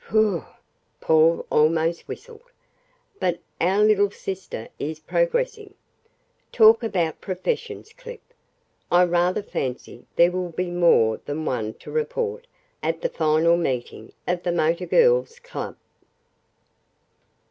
"Whew!" Paul almost whistled. "But our little sister is progressing. Talk about professions, Clip. I rather fancy there will be more than one to report at the final meeting of the Motor Girls' Club."